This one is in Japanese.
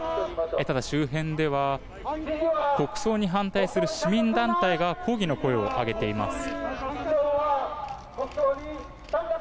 ただ周辺では国葬に反対する市民団体が抗議の声を上げています。